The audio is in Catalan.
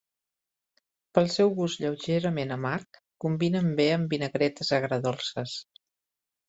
Pel seu gust lleugerament amarg, combinen bé amb vinagretes agredolces.